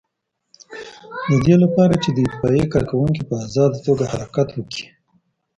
د دې لپاره چې د اطفائیې کارکوونکي په آزاده توګه حرکت وکړي.